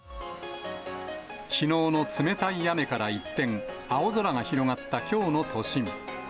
きのうの冷たい雨から一転、青空が広がったきょうの都心。